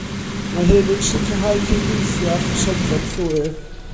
Mae hyn yn sicrhau cydweithio a chysondeb llwyr.